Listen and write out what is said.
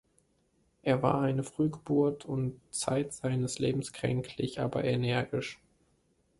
Er war eine Frühgeburt und zeit seines Lebens kränklich, aber energisch.